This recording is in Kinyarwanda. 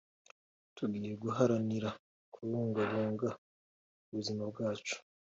tugiye guharanira kubungabunga ubuzima bwacu